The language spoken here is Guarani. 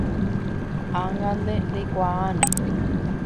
Ág̃ante reikuaáne